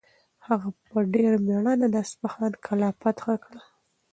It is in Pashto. هغه په ډېر مېړانه د اصفهان کلا فتح کړه.